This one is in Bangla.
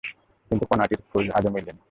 কিন্তু কণাটির খোঁজ আজও মেলেনি।